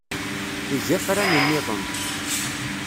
Eg afran-nniḍen.